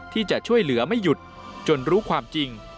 ที่จะช่วยเหลือไม่หยุดจนรู้ความจริง